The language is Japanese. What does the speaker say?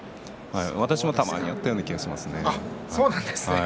私もたまにやったような気がします。